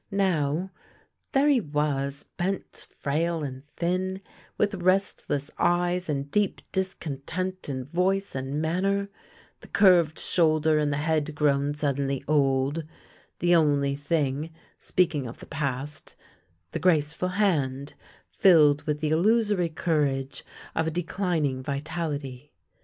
Now — there he was, bent, frail, and thin, with restless eyes and deep discontent in voice and manner; the curved shoulder and the head grown suddenly old; the only thing, speaking of the past, the graceful hand, filled with the illusory courage of a declining vitality.